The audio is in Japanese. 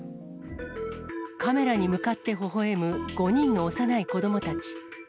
カメラの向かってほほえむ５人の幼い子どもたち。